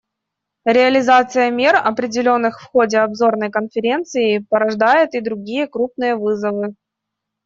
Реализация мер, определенных в ходе обзорной Конференции, порождает и другие крупные вызовы.